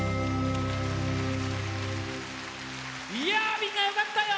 みんなよかったよ！